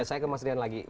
oke saya ke mas rian lagi